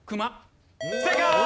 正解！